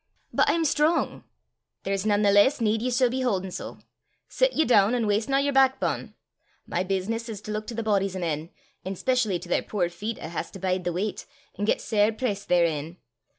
"But I'm strong!" "There's nane the less need ye sud be hauden sae. Sit ye doon, an' wastena yer backbane. My business is to luik to the bodies o' men, an' specially to their puir feet 'at has to bide the weicht, an' get sair pressed therein.